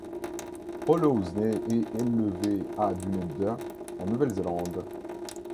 Hollows naît et est élevé à Dunedin, en Nouvelle-Zélande.